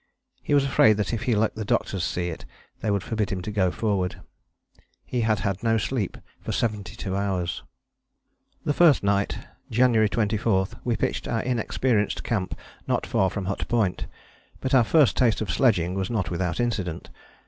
He was afraid that if he let the doctors see it they would forbid him to go forward. He had had no sleep for seventy two hours. That first night (January 24) we pitched our inexperienced camp not far from Hut Point. But our first taste of sledging was not without incident.